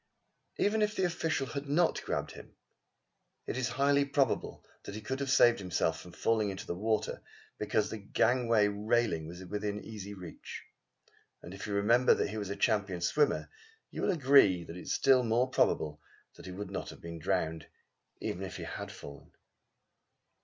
Even if the official had not grabbed him, it is highly probable that he could have saved himself from falling into the water, because the gangway railing was in easy reach; and if you remember that he was a champion swimmer, you will agree that it is still more probable that he would not have been drowned, even if he had fallen.